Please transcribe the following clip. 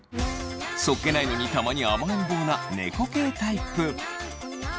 そっけないのにたまに甘えん坊な猫系タイプ。